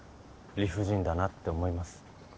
理不尽だなって思います。